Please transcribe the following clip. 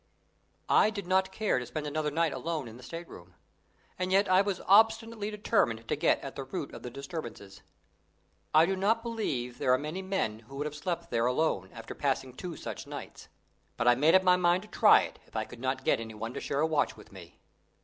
I did not care to spend another night alone in the state room, and yet I was obstinately determined to get at the root of the disturbances. I do not believe there are many men who would have slept there alone, after passing two such nights. But I made up my mind to try it, if I could not get any one to share a watch with me.